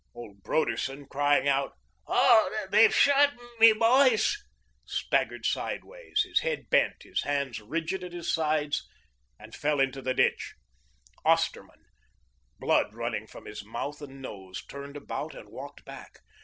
Old Broderson, crying out, "Oh, they've shot me, boys," staggered sideways, his head bent, his hands rigid at his sides, and fell into the ditch. Osterman, blood running from his mouth and nose, turned about and walked back.